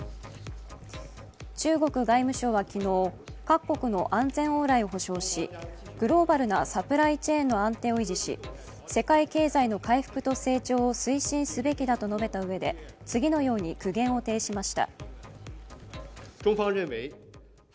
中国外務省は昨日、各国の安全往来を保証し、グローバルなサプライチェーンの安定を維持し世界経済の回復と成長を推進すべきだと述べたうえで次のように苦言を呈しました。